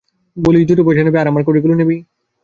বলিল, দুটো পয়সা দেবো, আর আমার কড়িগুলো নিবি?